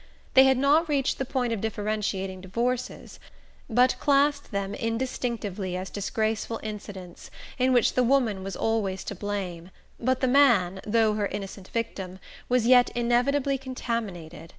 They had not reached the point of differentiating divorces, but classed them indistinctively as disgraceful incidents, in which the woman was always to blame, but the man, though her innocent victim, was yet inevitably contaminated.